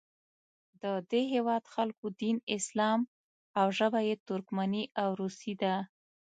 د دې هیواد خلکو دین اسلام او ژبه یې ترکمني او روسي ده.